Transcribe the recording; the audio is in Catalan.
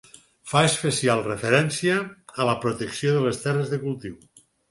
Fa especial referència a la protecció de les terres de cultiu.